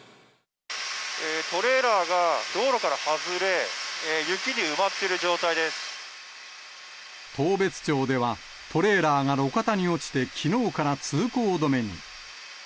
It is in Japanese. トレーラーが道路から外れ、当別町では、トレーラーが路肩に落ちて、きのうから通行止めに。